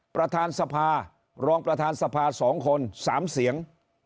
ประธานสภารองประธานสภา๒คน๓เสียง